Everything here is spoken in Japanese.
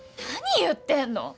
何言ってんの？